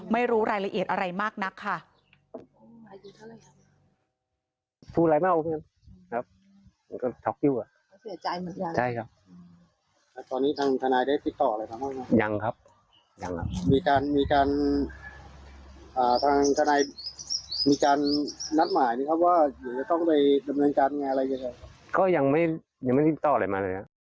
ไม่รู้รายละเอียดอะไรมากนักค่ะ